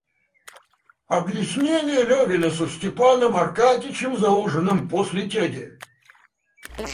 Объяснение Левина со Степаном Аркадьичем за ужином после тяги.